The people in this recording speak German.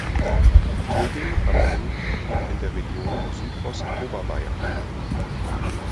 Töging am Inn liegt in der Region Südostoberbayern.